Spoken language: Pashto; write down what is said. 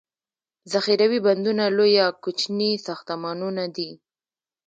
ذخیروي بندونه لوي او یا کوچني ساختمانونه دي.